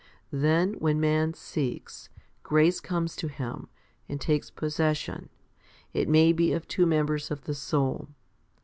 Then, when man seeks, grace comes to him, and takes possession, it may be of two members of the soul.